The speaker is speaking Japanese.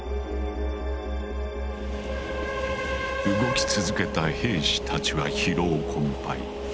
動き続けた兵士たちは疲労困ぱい。